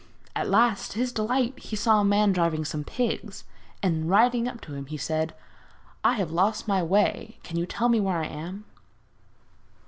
At last, to his delight, he saw a man driving some pigs, and riding up to him, he said: 'I have lost my way. Can you tell me where I am?'